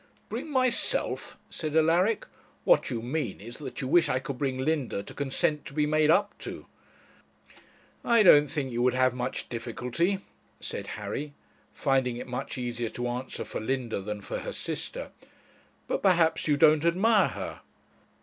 'Bring myself!' said Alaric; 'what you mean is, that you wish I could bring Linda to consent to be made up to.' 'I don't think you would have much difficulty,' said Harry, finding it much easier to answer for Linda than for her sister; 'but perhaps you don't admire her?'